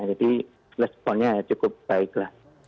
jadi responnya cukup baiklah